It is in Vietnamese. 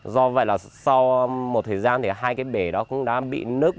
do vậy là sau một thời gian thì hai cái bể đó cũng đã bị nớt